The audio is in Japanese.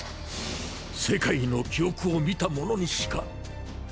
世界の記憶を見た者にしか。